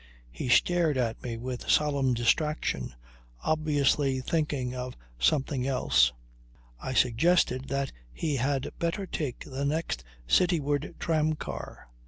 He stared at me with solemn distraction, obviously thinking of something else. I suggested that he had better take the next city ward tramcar.